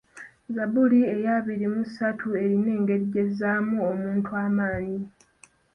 Zzabbuli eya abiri mu ssatu erina engeri gy'ezzaamu omuntu amaanyi.